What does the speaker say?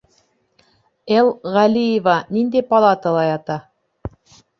Л. Ғәлиева ниндәй палатала ята?